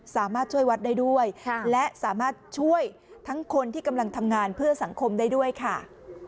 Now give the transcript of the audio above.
สามารถช่วยวัดได้ด้วยและสามารถช่วยทั้งคนที่กำลังทำงานเพื่อสังคมได้ด้วยค่ะ